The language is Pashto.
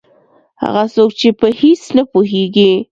هغه څوک چې په هېڅ نه پوهېږي.